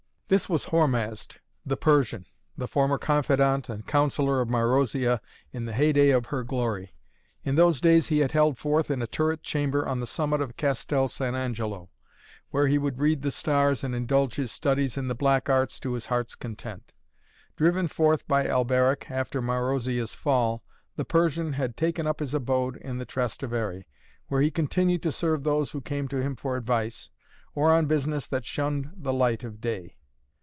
This was Hormazd, the Persian, the former confidant and counsellor of Marozia, in the heyday of her glory. In those days he had held forth in a turret chamber on the summit of Castel San Angelo, where he would read the stars and indulge his studies in the black arts to his heart's content. Driven forth by Alberic, after Marozia's fall, the Persian had taken up his abode in the Trastevere, where he continued to serve those who came to him for advice, or on business that shunned the light of day.